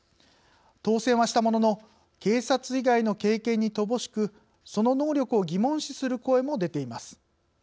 当選はしたものの警察以外の経験に乏しくその能力を疑問視する声も出ています。